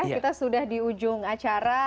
kita sudah di ujung acara